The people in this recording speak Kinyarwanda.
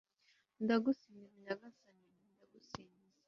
ndagusingiza nyagasani, ndagusingiza